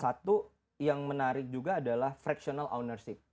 satu yang menarik juga adalah fractional ownership